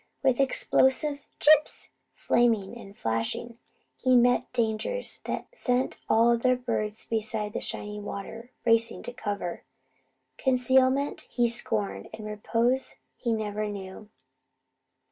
With explosive "chips" flaming and flashing, he met dangers that sent all the other birds beside the shining river racing to cover. Concealment he scorned; and repose he never knew.